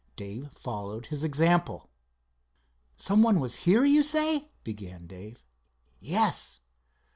Dave followed his example. "Some one was here, you say?" began Dave. "Yes."